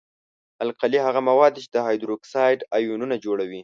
القلي هغه مواد دي چې هایدروکساید آیونونه جوړوي.